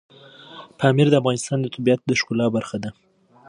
پامیر د افغانستان د طبیعت د ښکلا برخه ده.